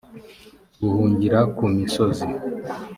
guhungira ku misozi